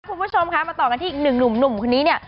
คุณผู้ชมค่ะมาต่อกันที่อีกนึงหนุ่มคนนี้